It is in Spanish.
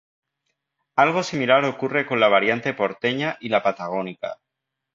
Algo similar ocurre con la variante porteña y la patagónica.